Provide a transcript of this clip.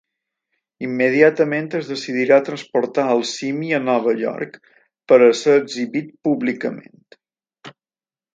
Immediatament es decidirà transportar al simi a Nova York, per a ser exhibit públicament.